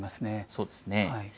そうですね。